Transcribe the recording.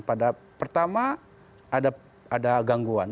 pada pertama ada gangguan